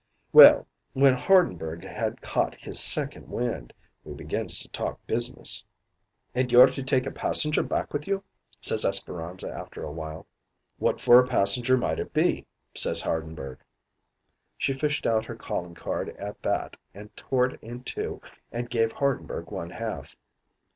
"Well, when Hardenberg had caught his second wind, we begins to talk business. "'An' you're to take a passenger back with you,' says Esperanza after awhile. "'What for a passenger might it be?' says Hardenberg. "She fished out her calling card at that and tore it in two an' gave Hardenberg one half.